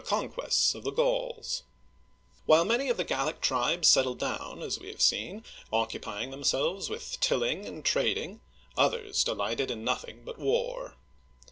CONQUESTS OF THE GAULS WHILE many of the Gallic tribes settled down, as we h^ve seen, occupying themselves with tilling and trading, others delighted in nothing but war.